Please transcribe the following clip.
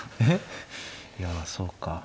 えっいやそうか。